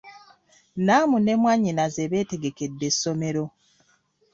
Namu ne mwanyinnaze beetegekedde essomero.